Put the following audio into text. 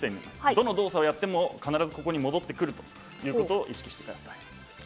どの動作をやっても必ず、ここに戻ってくるということを意識してください。